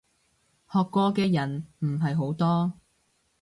學過嘅人唔係好多